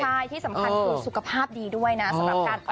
ใช่ที่สำคัญคือสุขภาพดีด้วยนะสำหรับการออกกำลังกาย